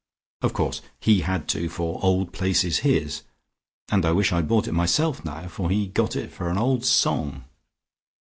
Of course he had to, for 'Old Place' is his, and I wish I had bought it myself now, for he got it for an old song."